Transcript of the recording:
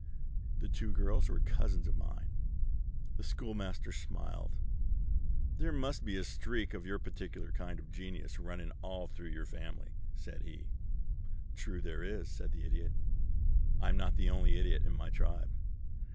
The two girls were cousins of mine." The Schoolmaster smiled again. "There must be a streak of your particular kind of genius running all through your family," said he. "True there is," said the Idiot. "I'm not the only Idiot in my tribe."